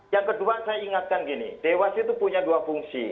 yang kedua saya ingatkan gini dewas itu punya dua fungsi